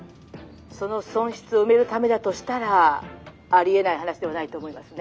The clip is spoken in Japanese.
「その損失を埋めるためだとしたらありえない話ではないと思いますね」。